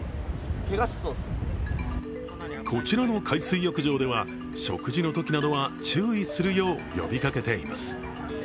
こちらの海水浴場では食事のときなどは、注意するよう呼びかけています。